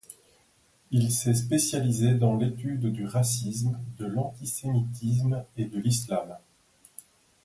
Il s'est spécialisé dans l'étude du racisme, de l'antisémitisme et l'Islam.